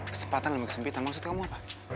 kesempatan demi kesempitan maksud kamu apa